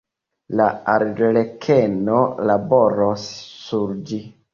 La arlekeno laboros sur ĝi.